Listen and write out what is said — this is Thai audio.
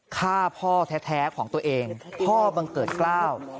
ฆ่าพ่อแท้ของตัวเองพ่อบังเกิดกล้าว